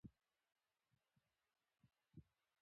دا زموږ د ټولو ګډ هدف دی.